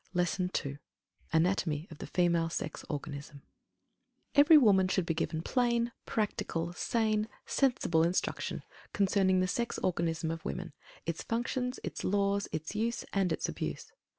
LESSON II ANATOMY OF THE FEMALE SEX ORGANISM Every woman should be given plain, practical, sane, sensible instruction concerning the sex organism of woman, its functions, its laws, its use, and its abuse.